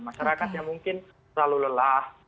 masyarakat yang mungkin terlalu lelah